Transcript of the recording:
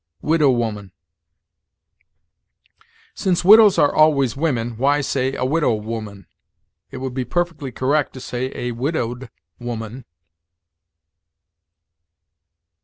WIDOW WOMAN. Since widows are always women, why say a widow woman? It would be perfectly correct to say a widowed woman.